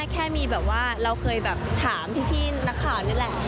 แค่มีแบบว่าเราเคยแบบถามพี่นักข่าวนี่แหละ